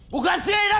bukan si nek neknya